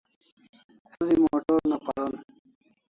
El'i motor una paron